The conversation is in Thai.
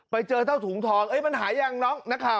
ไปเจอเจ้าถุงทองมันหายังน้องนักข่าว